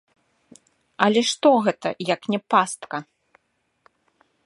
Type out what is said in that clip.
Але што гэта, як не пастка?